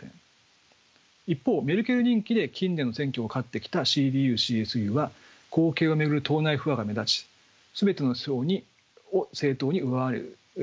一方メルケル人気で近年の選挙を勝ってきたＣＤＵ／ＣＳＵは後継を巡る党内不和が目立ち全ての政党に票を奪われるありさまでした。